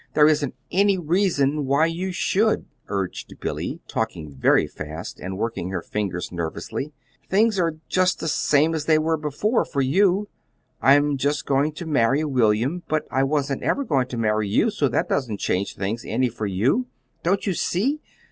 There isn't any reason why you should," urged Billy, talking very fast, and working her fingers nervously. "Things are just the same as they were before for you. I'm just going to marry William, but I wasn't ever going to marry you, so that doesn't change things any for you. Don't you see?